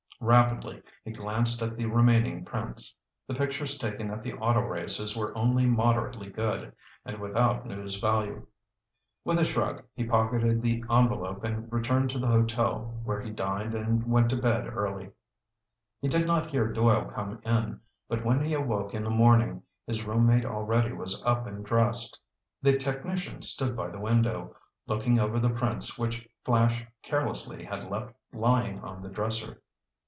Rapidly he glanced at the remaining prints. The pictures taken at the auto races were only moderately good, and without news value. With a shrug, he pocketed the envelope and returned to the hotel where he dined and went to bed early. He did not hear Doyle come in, but when he awoke in the morning, his roommate already was up and dressed. The technician stood by the window, looking over the prints which Flash carelessly had left lying on the dresser.